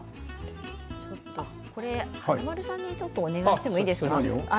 華丸さんにお願いしてもいいですか？